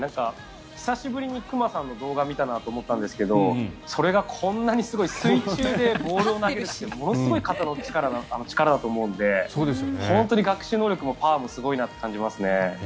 久しぶりに熊さんの動画を見たと思ったんですがそれがこんなにすごい水中でボールを投げるってものすごい肩の力だと思うので本当に学習能力もパワーもすごいなと感じますね。